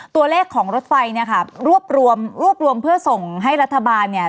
ตัวเลขของรถไฟเนี่ยค่ะรวบรวมรวบรวมเพื่อส่งให้รัฐบาลเนี่ย